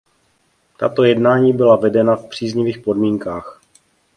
Tato jednání byla vedena v příznivých podmínkách.